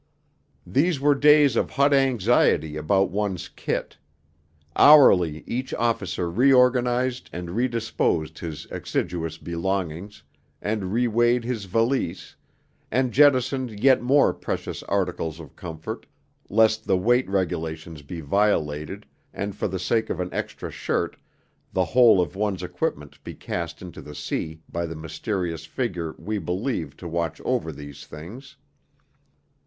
These were days of hot anxiety about one's kit; hourly each officer reorganized and re disposed his exiguous belongings, and re weighed his valise, and jettisoned yet more precious articles of comfort, lest the weight regulations be violated and for the sake of an extra shirt the whole of one's equipment be cast into the sea by the mysterious figure we believed to watch over these things.